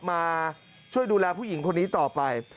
มาช่วยดูแลผู้หญิงคนนี้ต่อไป